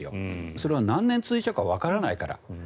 それは何年続いちゃうかわからないから。